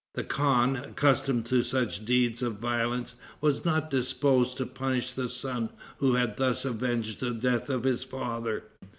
The khan, accustomed to such deeds of violence, was not disposed to punish the son who had thus avenged the death of his father.